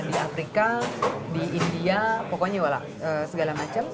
di afrika di india pokoknya segala macam